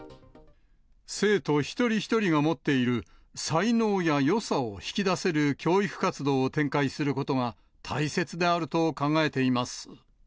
生徒一人一人が持っている才能やよさを引き出せる教育活動を展開することが大切であると考えています。